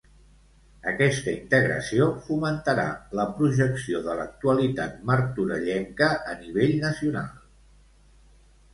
Aquesta integració fomentarà la projecció de l'actualitat martorellenca a nivell nacional.